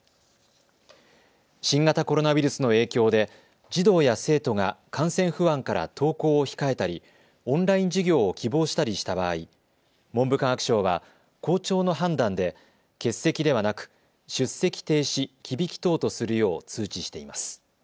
新型コロナウイルスの影響で児童や生徒が感染不安から登校を控えたり、オンライン授業を希望したりした場合、文部科学省は校長の判断で欠席ではなく出席停止・忌引き等とするよう通知しています。